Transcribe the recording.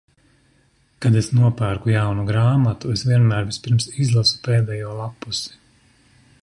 Kad es nopērku jaunu grāmatu, es vienmēr vispirms izlasu pēdējo lappusi.